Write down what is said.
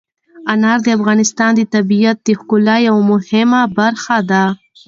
انار د افغانستان د طبیعت د ښکلا یوه مهمه برخه ده.